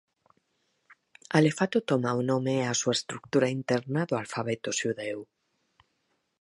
Alefato toma o nome e a súa estrutura interna do alfabeto xudeu.